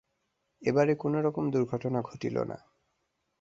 এবারে কোনোরকম দুর্ঘটনা ঘটিল না।